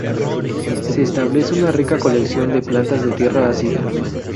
Se establece una rica colección de plantas de tierra ácida.